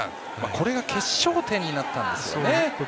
これが決勝点になったんですよね。